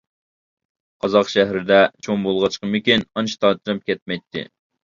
قازاق شەھىرىدە چوڭ بولغاچقىمىكىن، ئانچە تارتىنىپ كەتمەيتتى.